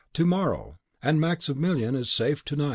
To morrow! and Maximilien is safe to night!